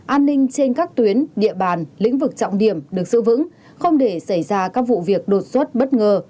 an ninh trên các tuyến địa bàn lĩnh vực trọng điểm được giữ vững không để xảy ra các vụ việc đột xuất bất ngờ